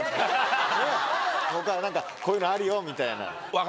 何かこういうのあるよみたいな。